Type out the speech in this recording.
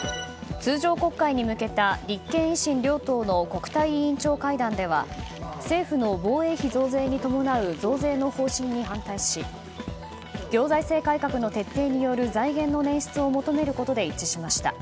通常国会に向けた立憲・維新両党の国対委員長会談では政府の防衛費増大に伴う増税の方針に反対し行財政改革の徹底による財源の捻出を求めることで一致しました。